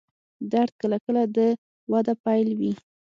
درد کله کله د وده پیل وي.